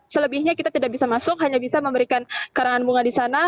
selebihnya kita tidak bisa masuk hanya bisa memberikan karangan bunga di sana